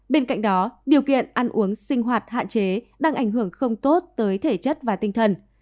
bên cạnh đó điều kiện ăn uống sinh hoạt hạn chế đang ảnh hưởng không tốt tới thể chất và tinh thần